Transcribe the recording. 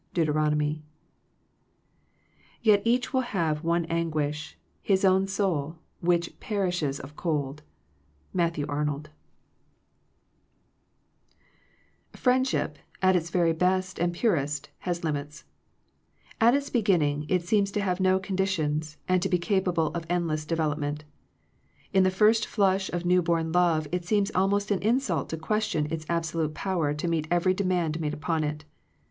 Dbutbromomy. Yet each will have one anguish— hit own soul. Which peritkes of cold,'* Matthbw Arnouk Digitized by VjOOQIC THE LIMITS OF FRIENDSHIP p Wm RIENDSHIP, at its very best and jT Ji purest, has limits. At its begin B Vl ning, it seems to have no condi ^^"1 tions, and to be capable of end less development. In the first flush of newborn love it seems almost an insult to question its absolute power to meet every demand made upon it.